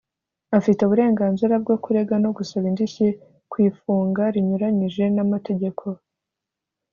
afite uburenganzira bwo kurega no gusaba indishyi ku ifunga rinyuranyije n’amategeko